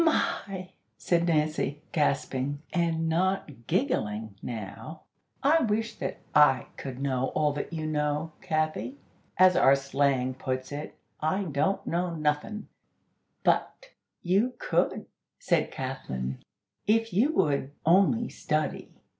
"My!" said Nancy, gasping, and not giggling now, "I wish that I could know all that you know, Kathy. As our slang puts it, 'I don't know nothin'.'" "But, you could," said Kathlyn, "if you would only study.